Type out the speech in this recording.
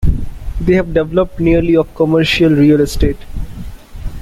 They have developed nearly of commercial real estate.